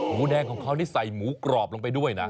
หมูแดงของเขานี่ใส่หมูกรอบลงไปด้วยนะ